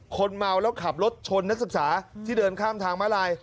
คนเมาแล้วขับรถชนนักศึกษาที่เดินข้ามทางมาลาย